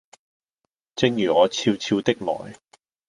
正如我悄悄的來